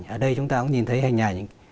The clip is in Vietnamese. ở đây chúng ta cũng nhìn thấy hình ảnh